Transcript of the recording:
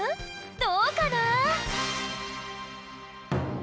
どうかな？